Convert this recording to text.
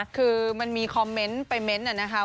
คือมันมีคอมเมนต์ไปเม้นต์นะคะ